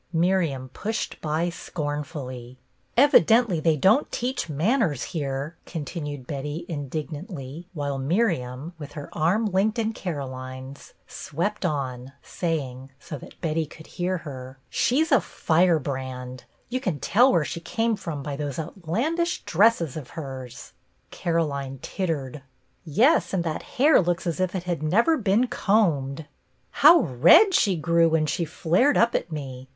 Miriam pushed by scornfully. UNEXPECTED WELCOME 59 " Evidently they don't teach manners here," continued Betty, indignantly, while Miriam, with her arm linked in Caroline's, swept on, saying, so that Betty could hear her, — "She's a firebrand. You can tell where she came from by those outlandish dresses of hers." Caroline tittered. " Yes, and that hair looks as if it had never been combed." " How red she grew when she flared up at me